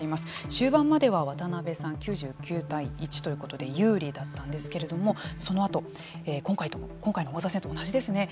終盤までは、渡辺さん９９対１ということで有利だったんですけれどもそのあと今回の王座戦と同じですね。